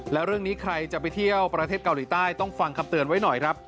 แล้วเรื่องนี้ใครจะไปเที่ยวประเทศเกาหลีใต้ต้องฟังคำเตือนไว้หน่อยครับ